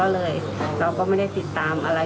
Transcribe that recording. และก็ไม่ได้ติดตามอะไร